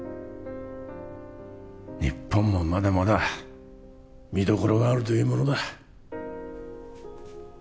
日本もまだまだ見どころがあるというものだ